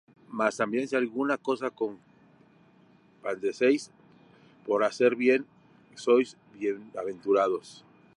Mas también si alguna cosa padecéis por hacer bien, sois bienaventurados.